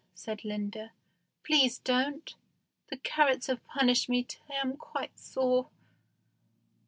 said Linda, "please don't. The carrots have punished me till I am quite sore."